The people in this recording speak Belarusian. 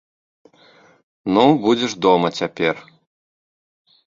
Ну, будзеш дома цяпер.